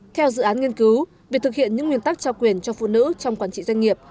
theo dự án nghiên cứu việc thực hiện những nguyên tắc trao quyền cho phụ nữ trong quản trị doanh nghiệp